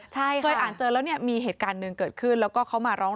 เคยอ่านเจอแล้วเนี่ยมีเหตุการณ์หนึ่งเกิดขึ้นแล้วก็เขามาร้อง